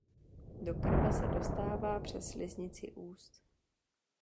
Do krve se dostává přes sliznici úst.